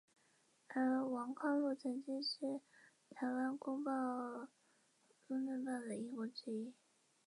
而且王康陆曾经是台湾公论报的义工之一。